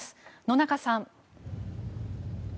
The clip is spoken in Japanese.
野中さん。